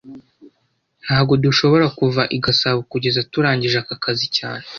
Ntago dushobora kuva i Gasabo kugeza turangije aka kazi cyane